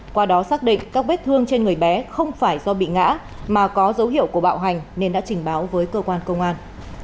qua đó xác định các vết thương trên người bé không phải do bị ngã mà có dấu hiệu của bạo hành nên đã trình báo với cơ quan công an